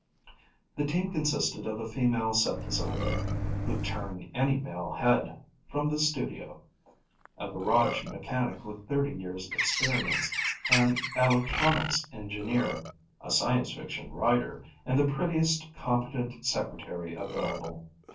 The team consisted of a female set designer who'd turn any male head from the Studio, a garage mechanic with 30 years' experience, an electronics engineer, a science fiction writer, and the prettiest competent secretary available.